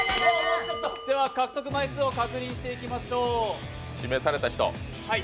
獲得枚数を確認していきましょう。